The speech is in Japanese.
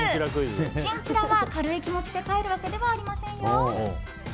チンチラは軽い気持ちで飼えるわけではありませんよ。